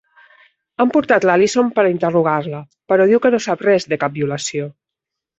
Han portat l'Allison per interrogar-la, però diu que no sap res de cap violació.